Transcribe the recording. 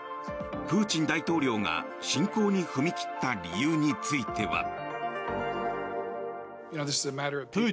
プーチン大統領が侵攻に踏み切った理由については。